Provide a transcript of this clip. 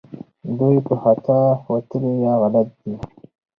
دوی په خطا وتلي یا غلط دي